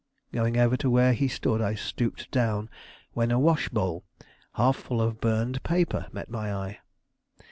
Going over to where he stood I stooped down, when a wash bowl half full of burned paper met my eye.